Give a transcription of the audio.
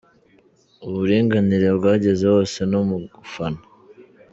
Uburinganire bwageze hose no mu gufana.